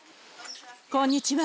こんにちは。